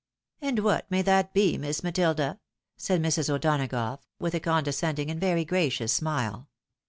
" "And what may that be. Miss Matilda?" said Mre. O'Donagough, with a condescending and very gracious smile.